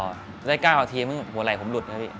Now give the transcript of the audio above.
ได้๙อาทีมึงหัวไหล่ผมหลุดแล้วดิ